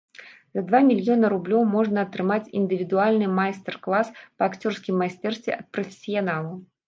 За два мільёны рублёў можна атрымаць індывідуальны майстар-клас па акцёрскім майстэрстве ад прафесіянала.